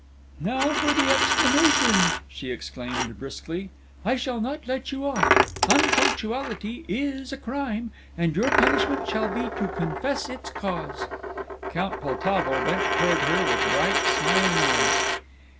"Now for the explanation," she exclaimed, briskly. "I shall not let you off! Unpunctuality is a crime, and your punishment shall be to confess its cause." Count Poltavo bent toward her with bright, smiling eyes.